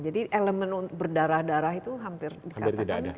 jadi elemen berdarah darah itu hampir tidak ada